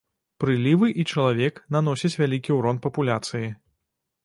Прылівы і чалавек наносяць вялікі ўрон папуляцыі.